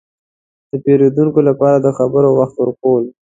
– د پېرودونکو لپاره د خبرو وخت ورکول.